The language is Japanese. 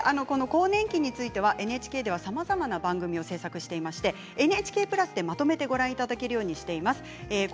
更年期についてはＮＨＫではさまざまな番組を制作していましてＮＨＫプラスでまとめてご覧いただけるようにしています。